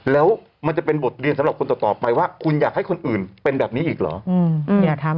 แล้วมันจะเป็นบทเรียนสำหรับคนต่อไปว่าคุณอยากให้คนอื่นเป็นแบบนี้อีกเหรอ